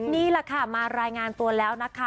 นี่แหละค่ะมารายงานตัวแล้วนะคะ